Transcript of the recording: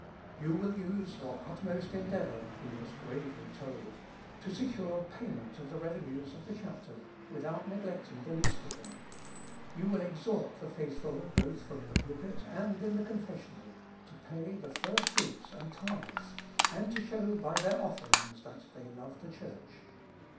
"You will use your utmost endeavour," he was gravely told, "to secure payment of the revenues of the chapter, without neglecting the least of them. You will exhort the faithful both from the pulpit and in the confessional, to pay the first fruits and tithes, and to show by their offerings that they love the Church.